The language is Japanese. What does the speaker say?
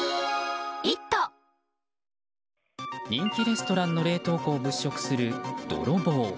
人気レストランの冷凍庫を物色する泥棒。